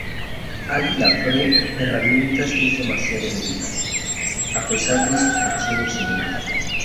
Águila Pro las herramientas es demasiado lentas, a pesar de su tracción excelente.